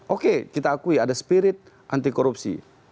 oke kita akui ada spirit anti korupsi